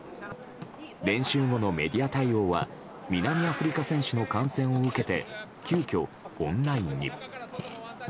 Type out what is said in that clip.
練習後のメディア対応は南アフリカ選手の感染を受けて急きょ、オンラインに。